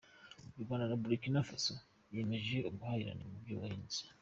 U Rwanda na Burikina Faso biyemeje ubuhahirane mu by’ubuhanzi